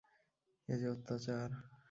এ যে অত্যাচার!